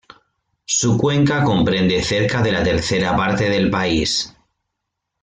Su cuenca comprende cerca de la tercera parte del país.